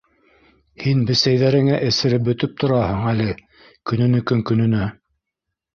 Һин бесәйҙәреңә эсереп бөтөп тораһың әле көнөнөкөн көнөнә...